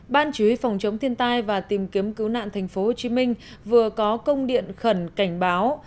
ban chú ý phòng chống thiên tai và tìm kiếm cứu nạn tp hcm vừa có công điện khẩn cảnh báo